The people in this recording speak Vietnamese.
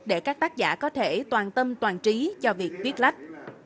để các tác giả có thể toàn tâm toàn trí cho việc viết lách